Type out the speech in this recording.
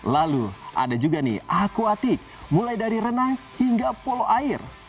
lalu ada juga nih akuatik mulai dari renang hingga polo air